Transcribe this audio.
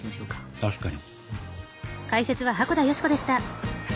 確かに。